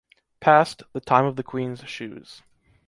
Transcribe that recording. Past, the time of the queen's shoes.